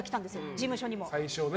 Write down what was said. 事務所にも。